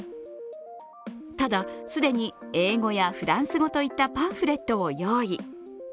ただ、既に英語やフランス語といったパンフレットを用意。